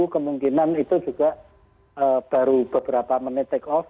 kemungkinan itu juga baru beberapa menit take off